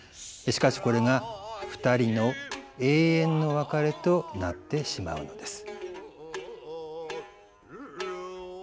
しかしこれが２人の永遠の別れとなってしまうのです。